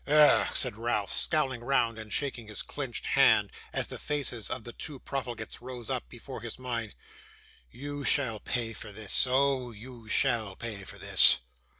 'Ugh!' said Ralph, scowling round, and shaking his clenched hand as the faces of the two profligates rose up before his mind; 'you shall pay for this. Oh! you shall pay for this!